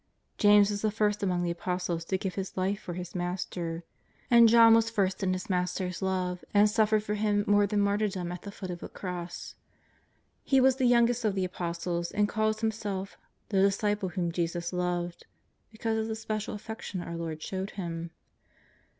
James was the first among the Apostles to give his life for his Master, and John was first in his PlITl r ■'"■' ^^'t<i yi CO 'T. ^ tiC ^ f. JESUS OF NAZARETH. 197 Master's love, and suffered for Him more than martyr dom at the foot of the Cross. He was the youngest of the Apostles, and calls himself '' the disciple whom Jesus loved," because of the special affection our Lord showed him.